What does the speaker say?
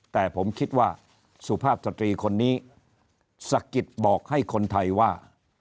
แต่ผมคิดว่าสุภาพสตรีคนนี้สะกิดบอกให้คนไทยว่า